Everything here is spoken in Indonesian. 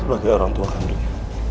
sebagai orang tua kandung